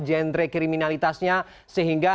jendre kriminalitasnya sehingga